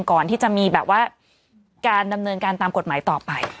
ก่อนที่จะมีแบบว่าการดำเนินการตามกฎหมายต่อไป